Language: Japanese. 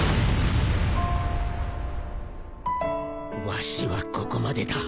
わしはここまでだ。